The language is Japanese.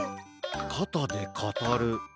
かたでかたる。